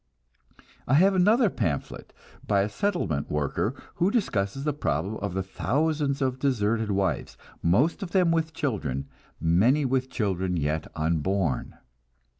I have another pamphlet by a settlement worker, who discusses the problem of the thousands of deserted wives, most of them with children, many with children yet unborn.